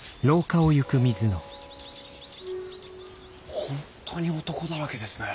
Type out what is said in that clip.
本当に男だらけですね。